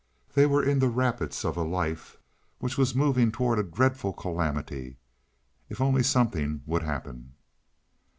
They were in the rapids of a life which was moving toward a dreadful calamity. If only something would happen.